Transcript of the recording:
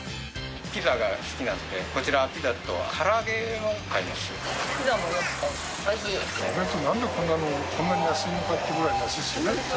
ピザが好きなので、こちらはピザとから揚げを買います。